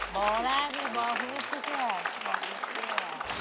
บอกแล้วพี่บอกพี่